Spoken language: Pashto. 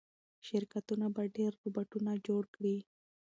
شرکتونه به ډېر روباټونه جوړ کړي.